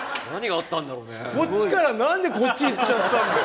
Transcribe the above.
こっちから、なんでこっちにいっちゃったんだよ。